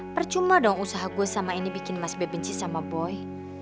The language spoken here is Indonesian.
percuma dong usaha gue sama ini bikin mas bebenci sama boy